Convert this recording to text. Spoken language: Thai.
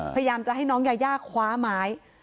พยายามจะให้น้องยายาคว้าไม้